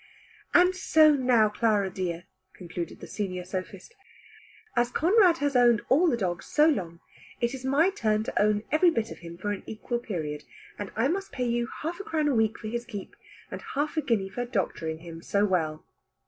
"And so now, Clara dear," concluded the senior sophist, "as Conrad has owned all the dog so long, it is my turn to own every bit of him for an equal period, and I must pay you half a crown a week for his keep, and half a guinea for doctoring him so well."